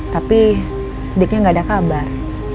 tapi adiknya gak ada kabar